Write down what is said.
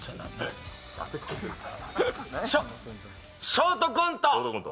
ショートコント。